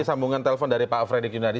sambungan telepon dari pak fredy kudinadi